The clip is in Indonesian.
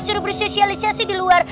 suruh bersosialisasi di luar